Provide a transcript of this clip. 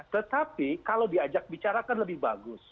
tetapi kalau diajak bicara kan lebih bagus